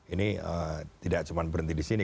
ini tidak cuma berhenti di sini